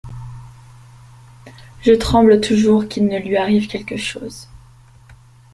Je tremble toujours qu’il ne lui arrive quelque chose…